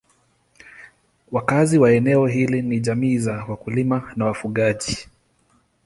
Wakazi wa eneo hili ni jamii za wakulima na wafugaji.